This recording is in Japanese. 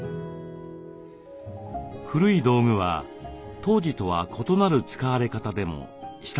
古い道具は当時とは異なる使われ方でも親しまれています。